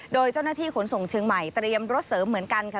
โดยเจ้าหน้าที่ขนส่งเชียงใหม่เตรียมรถเสริมเหมือนกันค่ะ